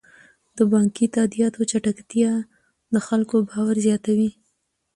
د بانکي تادیاتو چټکتیا د خلکو باور زیاتوي.